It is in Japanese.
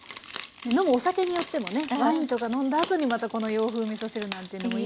飲むお酒によってもねワインとか飲んだあとにまたこの洋風みそ汁なんてのもいいかもしれないですね。